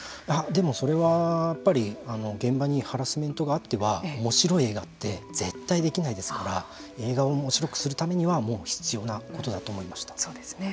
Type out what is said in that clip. でもそれはやっぱり現場にハラスメントがあってはおもしろい映画って絶対できないですから映画をおもしろくするためには必要なことだと思いました。